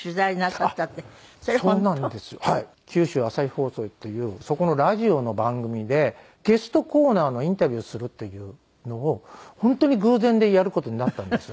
九州朝日放送というそこのラジオの番組でゲストコーナーのインタビューするというのを本当に偶然でやる事になったんです。